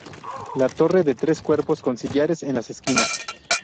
La torre de tres cuerpos con sillares en las esquinas.